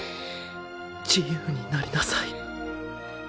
自由になりなさい。